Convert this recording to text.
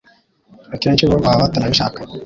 akenshi bo baba batanabishaka